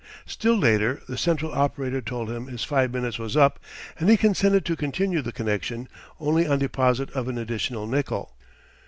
Still later the central operator told him his five minutes was up and consented to continue the connection only on deposit of an additional nickel.